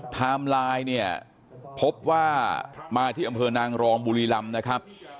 ไทม์ไลน์เนี่ยพบว่ามาที่อำเภอนางรองบุรีรำนะครับ